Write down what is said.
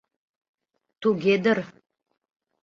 Туге дыр.